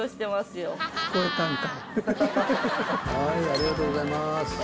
ありがとうございます。